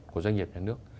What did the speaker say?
của doanh nghiệp nhà nước